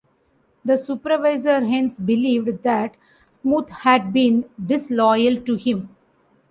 The supervisor hence believed that Smoot had been disloyal to him.